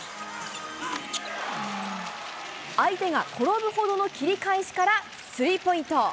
相手が転ぶほどの切り返しから、スリーポイント。